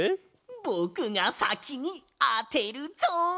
ぼくがさきにあてるぞ！